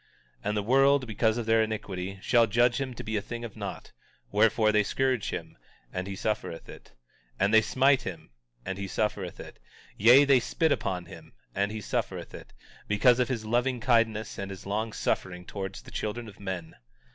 19:9 And the world, because of their iniquity, shall judge him to be a thing of naught; wherefore they scourge him, and he suffereth it; and they smite him, and he suffereth it. Yea, they spit upon him, and he suffereth it, because of his loving kindness and his long suffering towards the children of men.